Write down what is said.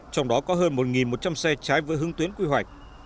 trong đó có hơn một một trăm linh xe trái với hướng tuyến quy hoạch